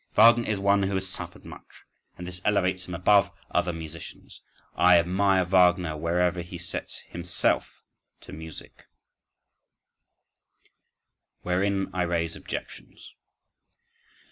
—Wagner is one who has suffered much—and this elevates him above other musicians.—I admire Wagner wherever he sets himself to music— Wherein I Raise Objections.